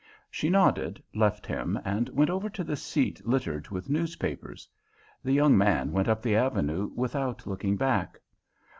She nodded, left him, and went over to the seat littered with newspapers. The young man went up the Avenue without looking back.